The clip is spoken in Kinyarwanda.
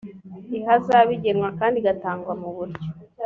ihazabu igenwa kandi igatangwa mu buryo